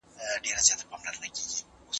زه پرون د کتابتوننۍ سره مرسته وکړه!؟